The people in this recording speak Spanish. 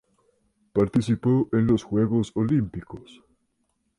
Participó en dos Juegos Olímpicos.